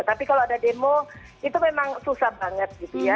tapi kalau ada demo itu memang susah banget gitu ya